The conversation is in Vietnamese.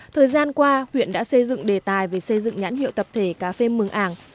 thời gian qua huyện đã xây dựng đề tài về xây dựng nhãn hiệu tập thể cà phê mường ảng